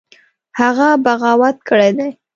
هغه بغاوت کړی دی.